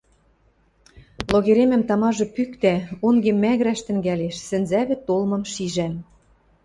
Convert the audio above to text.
Логеремӹм тамажы пӱктӓ, онгем мӓгӹрӓш тӹнгӓлеш, сӹнзӓвӹд толмым шижӓм.